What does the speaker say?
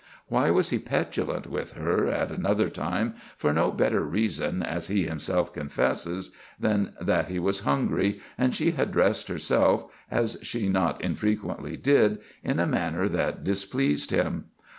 Why was he petulant with her, at another time, for no better reason, as he himself confesses, than that he was hungry, and she had dressed herself, as she not infrequently did, in a manner that displeased him?